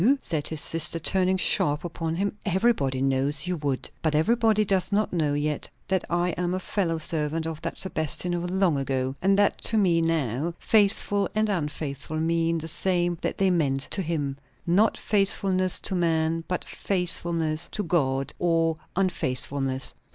_" said his sister, turning sharp upon him. "Everybody knows you would!" "But everybody does not know yet that I am a fellow servant of that Sebastian of long ago; and that to me now, faithful and unfaithful mean the same that they meant to him. Not faithfulness to man, but faithfulness to God or unfaithfulness."